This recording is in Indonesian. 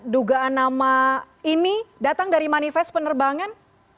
dugaan nama ini datang dari manifest penerbangan